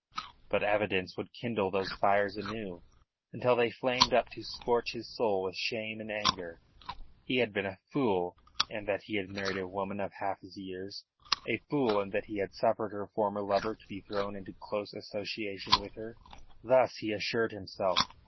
But evidence would kindle those fires anew until they flamed up to scorch his soul with shame and anger. He had been a fool in that he had married a woman of half his years; a fool in that he had suffered her former lover to be thrown into close association with her. Thus he assured himself.